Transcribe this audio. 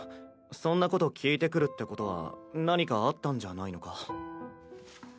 そんなこと聞いてくるってことは何かあったんじゃないのか？